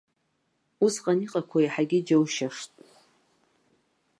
Усҟан иҟақәоу иаҳагьы иџьоушьашт.